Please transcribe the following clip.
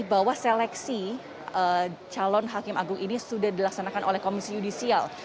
bahwa seleksi calon hakim agung ini sudah dilaksanakan oleh komisi yudisial